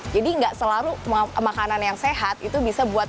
jadi nggak selalu makanan yang sehat itu bisa buat